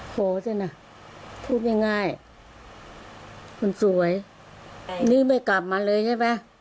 โหจริงหรอพูดง่ายง่ายมันสวยนึกไม่กลับมาเลยใช่ไหม